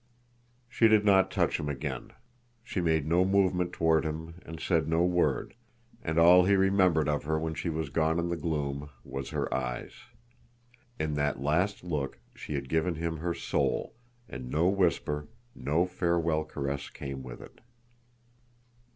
She did not touch him again. She made no movement toward him and said no word, and all he remembered of her when she was gone in the gloom was her eyes. In that last look she had given him her soul, and no whisper, no farewell caress came with it.